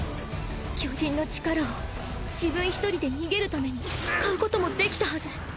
巨人の力を自分一人で逃げるために使うこともできたはず。